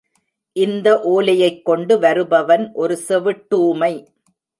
இந்த ஓலையைக்கொண்டு வருபவன் ஒரு செவிட்டூமை.